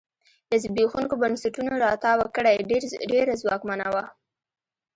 له زبېښونکو بنسټونو راتاوه کړۍ ډېره ځواکمنه وه.